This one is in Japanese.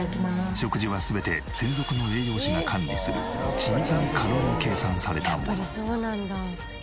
食事は全て専属の栄養士が管理する緻密にカロリー計算されたもの。